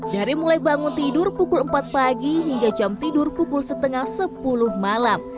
dari mulai bangun tidur pukul empat pagi hingga jam tidur pukul setengah sepuluh malam